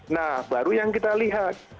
nah baru yang kita lihat